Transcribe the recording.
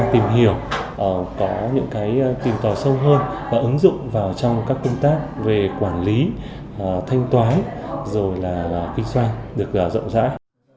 tìm hiểu có những cái tìm tò sâu hơn và ứng dụng vào trong các công tác về quản lý thanh toán rồi là kinh doanh được rộng rãi